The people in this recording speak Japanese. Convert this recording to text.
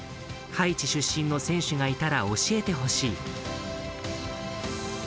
「ハイチ出身の選手がいたら教えてほしい」。